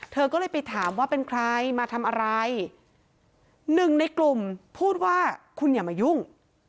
เธอก็เลยไปถามว่าเป็นใครมาทำอะไรหนึ่งในกลุ่มพูดว่าคุณอย่ามายุ่ง